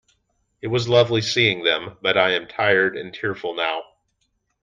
It was lovely seeing them, but I am tired and tearful now.